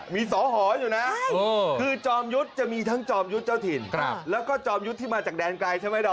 มีสอหออยู่นะคือจอมยุทธ์จะมีทั้งจอมยุทธเจ้าถิ่นแล้วก็จอมยุทธที่มาจากแดนไกลใช่ไหมดอม